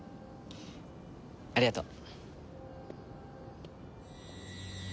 ありがとう。